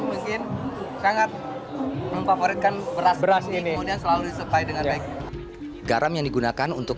mungkin sangat memfavoritkan beras ini selalu disupai dengan baik garam yang digunakan untuk